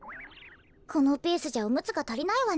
このペースじゃおむつがたりないわね。